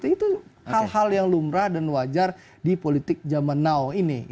itu hal hal yang lumrah dan wajar di politik zaman now ini